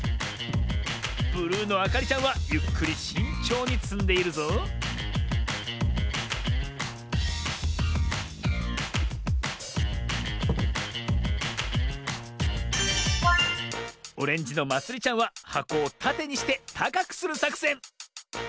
ブルーのあかりちゃんはゆっくりしんちょうにつんでいるぞオレンジのまつりちゃんははこをたてにしてたかくするさくせん。